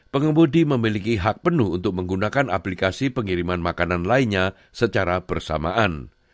pengemudi memiliki hak penuh untuk menggunakan aplikasi pengiriman makanan lainnya secara bersamaan